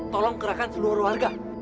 tolong kerahkan seluruh warga